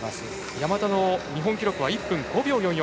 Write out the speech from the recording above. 山田の日本記録は１分５秒４４。